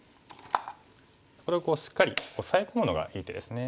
これをこうしっかりオサエ込むのがいい手ですね。